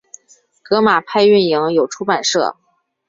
革马派运营有出版社。